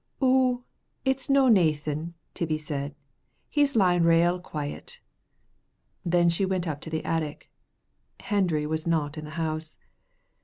"Ou, it's no naething," Tibbie said; "he's lyin' rale quiet." Then she went up to the attic. Hendry was not in the house.